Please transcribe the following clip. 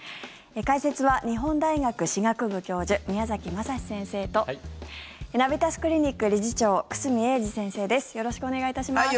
解説は日本大学歯学部教授宮崎真至先生とナビタスクリニック理事長久住英二先生です。